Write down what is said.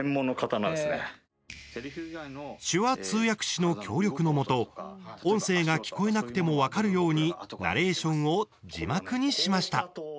手話通訳士の協力のもと音声が聞こえなくても分かるようにナレーションを字幕にしました。